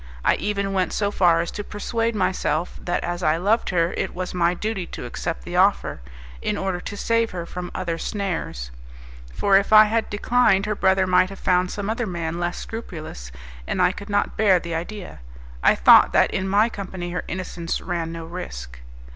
I even went so far as to persuade myself that as I loved her it was my duty to accept the offer, in order to save her from other snares; for if I had declined her brother might have found some other man less scrupulous, and I could not bear the idea. I thought that in my company her innocence ran no risk.